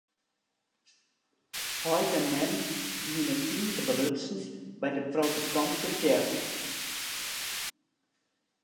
Heit en mem wiene tige belutsen by de protestantske tsjerke.